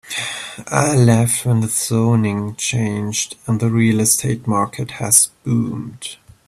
I left when the zoning changed and the real estate market has boomed.